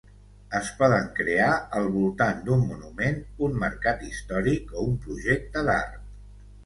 Es poden crear al voltant d'un monument, un mercat històric o un projecte d'art.